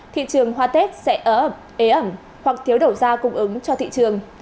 thị trường hoa tết sẽ ớ ẩm ế ẩm hoặc thiếu đầu ra cung ứng cho thị trường